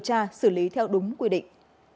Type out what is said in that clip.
tra xử lý theo đúng quy định